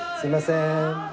すいません。